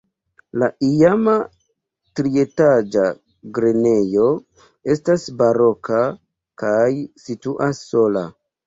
La iama trietaĝa grenejo estas baroka kaj situas sola.